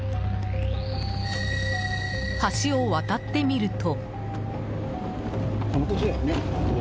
橋を渡ってみると。